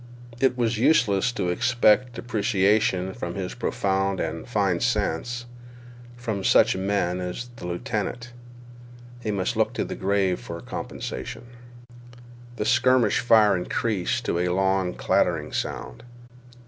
It was useless to expect appreciation of his profound and fine sense from such men as the lieutenant. He must look to the grave for comprehension. The skirmish fire increased to a long clattering sound.